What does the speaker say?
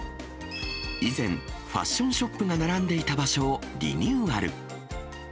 以前、ファッションショップが並んでいた場所をリニューアル。